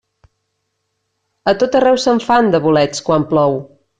A tot arreu se'n fan, de bolets, quan plou.